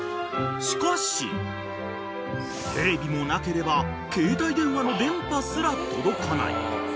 ［しかしテレビもなければ携帯電話の電波すら届かない］